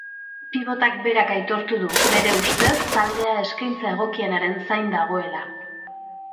Pibotak berak aitortu du, bere ustez, taldea eskaintza egokienaren zain dagoela.